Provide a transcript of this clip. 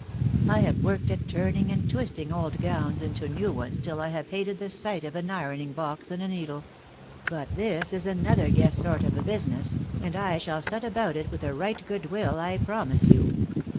. I have worked at turning and twisting old gowns into new ones tilt I have hated the sight of an ironing box and a needle ; but mis is another guess sort of a business, and I shall set about it with a light good will, I promise you.